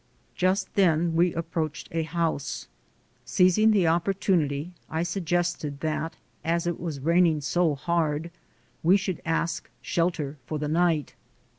Just then we approached a house. Seizing the opportunity, I suggested that as it was raining so hard, we should ask shelter for the night.